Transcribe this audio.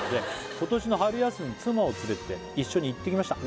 「今年の春休み妻を連れて一緒に行ってきました」